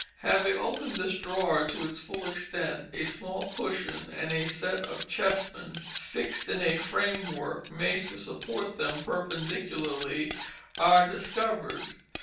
Having opened this drawer to its full extent, a small cushion, and a set of chessmen, fixed in a frame work made to support them perpendicularly, are discovered.